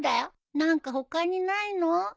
何か他にないの？